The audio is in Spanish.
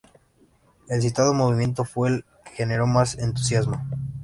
El citado movimiento fue el que generó más entusiasmo.